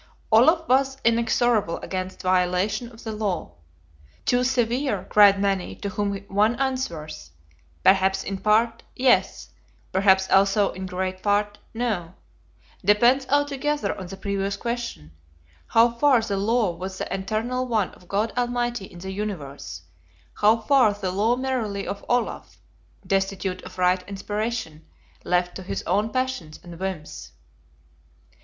Olaf was inexorable against violation of the law. "Too severe," cried many; to whom one answers, "Perhaps in part yes, perhaps also in great part no; depends altogether on the previous question, How far the law was the eternal one of God Almighty in the universe, How far the law merely of Olaf (destitute of right inspiration) left to his own passions and whims?"